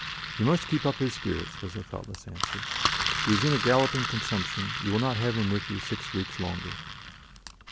"You must keep up his spirits," was the thoughtless answer. "He is in a galloping consumption; you will not have him with you six weeks longer."